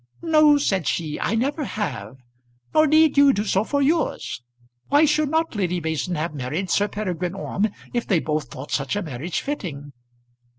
"No," said she, "I never have; nor need you do so for yours. Why should not Lady Mason have married Sir Peregrine Orme, if they both thought such a marriage fitting?"